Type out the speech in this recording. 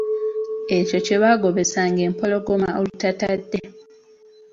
Ekyo kye baagobesanga empologoma olutatadde.